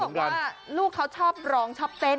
บอกว่าลูกเขาชอบร้องชอบเต้น